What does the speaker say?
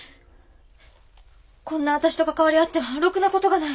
こんな私と関わり合ってはろくな事がない。